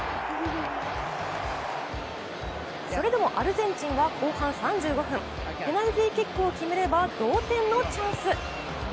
それでもアルゼンチンは後半３５分、ペナルティーキックを決めれば同点のチャンス。